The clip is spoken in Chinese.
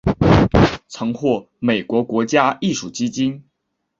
曾获美国国家艺术基金。